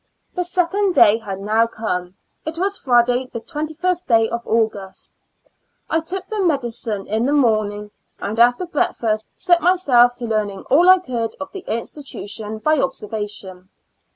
The second day had now come ; it was Friday, the 21st day of August. I took the medicine in the morning, and after breakfast set myself to learning all I could of the institution by observation.